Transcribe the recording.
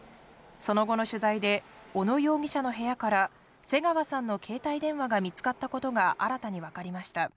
その後の取材で小野容疑者の部屋から瀬川さんの携帯電話が見つかったことが新たに分かりました。